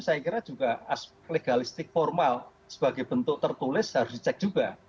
saya kira juga aspek legalistik formal sebagai bentuk tertulis harus dicek juga